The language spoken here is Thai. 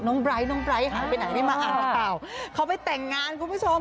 น้องไบร์ทหายไปไหนนี่มาอ้าวเขาไปแต่งงานคุณผู้ชม